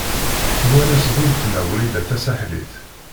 Nwan-as d uletma Wrida Tasaḥlit.